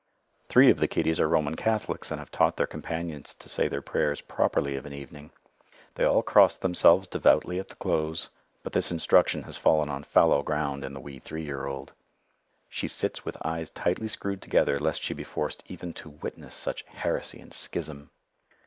Three of the kiddies are Roman Catholics and have taught their companions to say their prayers properly of an evening. They all cross themselves devoutly at the close; but this instruction has fallen on fallow ground in the wee three year old. She sits with eyes tightly screwed together lest she be forced even to witness such heresy and schism.